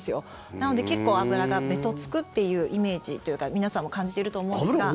なので結構脂がべとつくっていうイメージというか皆さんも感じていると思うんですが。